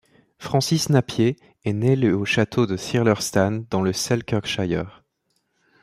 Francis Napier est né le au château de Thirlestane dans le Selkirkshire.